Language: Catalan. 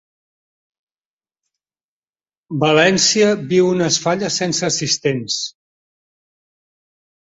València viu unes Falles sense assistents